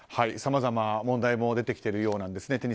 さまざま問題も出てきているようなんですね。